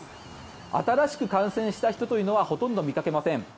新しく感染した人というのはほとんど見かけません。